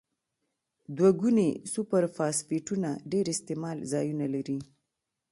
دوه ګونې سوپر فاسفیټونه ډیر استعمال ځایونه لري.